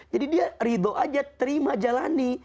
jadi dia ridho aja terima jalani